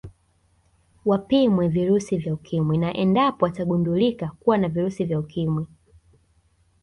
Wapimwe virusi vya Ukimwi na endapo watagundulika kuwa na virusi vya Ukimwi